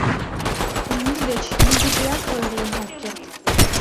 Мӱй деч нигузеат ойырлен ок керт.